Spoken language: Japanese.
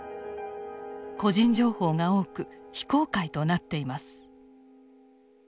個人情報が多く非公開となっています。